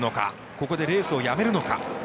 ここでレースをやめるのか。